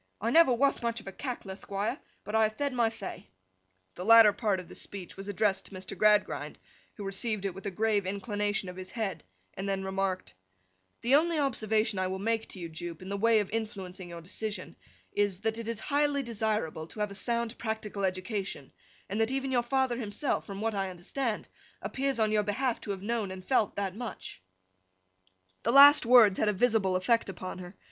I never wath much of a Cackler, Thquire, and I have thed my thay.' The latter part of this speech was addressed to Mr. Gradgrind, who received it with a grave inclination of his head, and then remarked: 'The only observation I will make to you, Jupe, in the way of influencing your decision, is, that it is highly desirable to have a sound practical education, and that even your father himself (from what I understand) appears, on your behalf, to have known and felt that much.' The last words had a visible effect upon her.